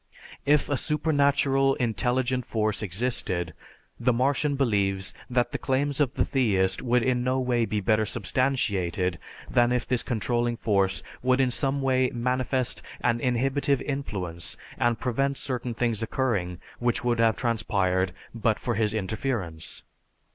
If a supernatural, intelligent force existed, the Martian believes that the claims of the theist could in no way be better substantiated than if this controlling force would in some way manifest an inhibitive influence and prevent certain things occurring which would have transpired but for his interference.